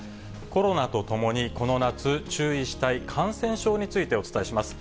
コロナとともにこの夏、注意したい感染症についてお伝えします。